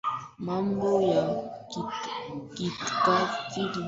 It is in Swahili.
mambo ya kikatili hatarusiwa kuania nyadhifa yoyote